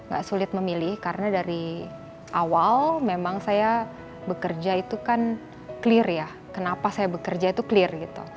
gak sulit memilih karena dari awal memang saya bekerja itu kan clear ya kenapa saya bekerja itu clear gitu